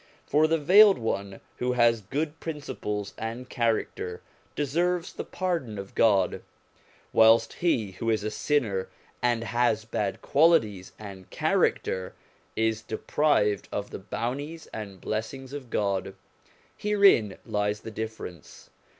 For the veiled one who has good principles and character, deserves the pardon of God; whilst he who is a sinner, and has bad qualities and character, is deprived of 275 276 SOME ANSWERED QUESTIONS the bounties and blessings of God: herein lies the difference.